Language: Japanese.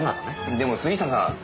でも杉下さん。